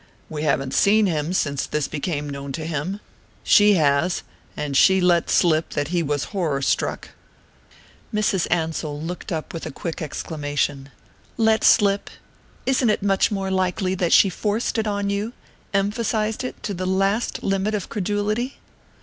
"We haven't seen him since this became known to him. She has; and she let slip that he was horror struck." Mrs. Ansell looked up with a quick exclamation. "Let slip? Isn't it much more likely that she forced it on you emphasized it to the last limit of credulity?"